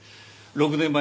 ６年前？